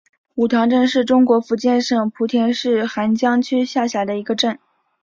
梧塘镇是中国福建省莆田市涵江区下辖的一个镇。